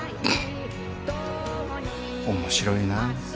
面白いな。